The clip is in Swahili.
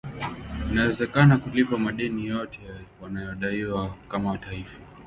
inawezekana kulipa madeni yote wanayodaiwa kama taifa